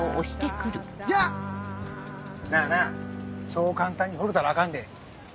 なぁなぁそう簡単にほれたらあかんで。